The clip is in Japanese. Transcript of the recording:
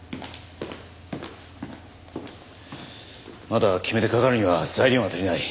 まだ決めてかかるには材料が足りない。